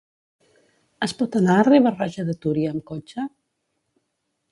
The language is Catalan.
Es pot anar a Riba-roja de Túria amb cotxe?